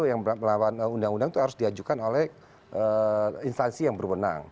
yang melawan undang undang itu harus diajukan oleh instansi yang berwenang